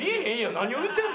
何を言うてんの？